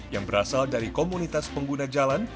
yang berasal dari komunitas pengguna jalan